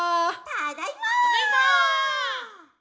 ただいま！